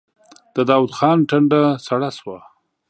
د داوود خان ټنډه سړه شوه.